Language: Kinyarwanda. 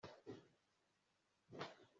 ubwigenge ni ubu